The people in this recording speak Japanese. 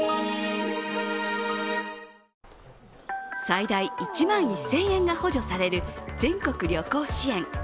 最大１万１０００円が補助される全国旅行支援。